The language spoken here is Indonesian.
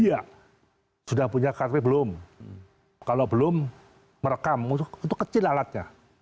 iya sudah punya ktp belum kalau belum merekam itu kecil alatnya